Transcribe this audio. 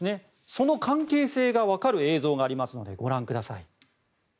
その関係性が分かる映像がありますのでご覧ください。